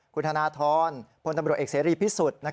คุณธนทรพลตำรวจเอกเสรีพิสุทธิ์